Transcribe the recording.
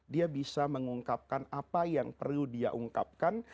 dia bisa mengungkapkan apa yang perlu dia ungkapkan